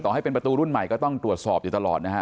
ให้เป็นประตูรุ่นใหม่ก็ต้องตรวจสอบอยู่ตลอดนะฮะ